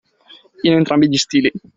In entrambi gli stili